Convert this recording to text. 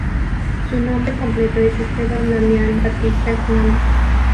Su nombre completo es Esteban Damián Batista Hernández.